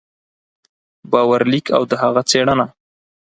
باور لیک او د هغه څېړنه